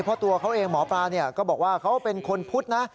เพราะตัวเขาเองหมอปลาก็บอกว่าเขาเป็นคนพุทธนะ